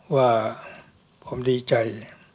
ว่าผมดีใจ